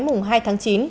mùng hai tháng chín